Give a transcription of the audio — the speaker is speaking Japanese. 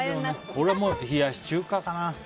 俺も冷やし中華かな。